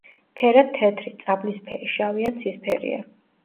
ფერად თეთრი, წაბლისფერი, შავი ან ცისფერია.